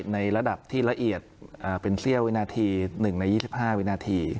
ในระดับที่ละเอียดเป็นเสี้ยววินาที๑ใน๒๕วินาที